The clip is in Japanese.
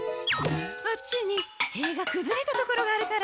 あっちに塀がくずれたところがあるから。